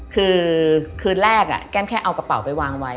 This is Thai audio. คือคืนแรกแก้มแค่เอากระเป๋าไปวางไว้